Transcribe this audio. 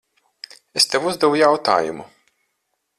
Es tev uzdevu jautājumu.